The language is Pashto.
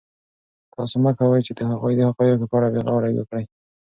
تاسو مه کوئ چې د هغوی د حقایقو په اړه بې غوري وکړئ.